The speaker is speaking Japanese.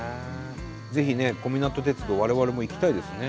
ぜひね小湊鉄道我々も行きたいですね。